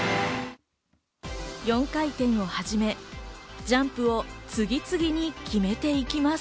４回転をはじめ、ジャンプを次々に決めていきます。